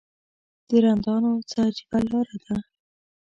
د رندانو څه عجیبه لاره ده.